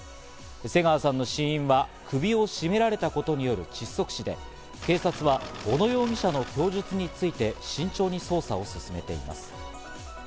瀬川さんの死因は首を絞められたことによる窒息死で警察は小野容疑者の供述について慎重に捜査を進めています。